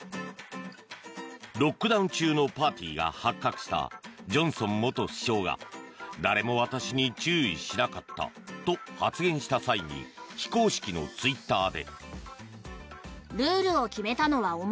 ロックダウン中のパーティーが発覚したジョンソン元首相が誰も私に注意しなかったと発言した際に非公式のツイッターで。